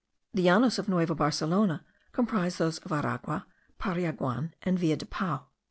The Llanos of Nueva Barcelona comprise those of Aragua, Pariaguan, and Villa del Pao.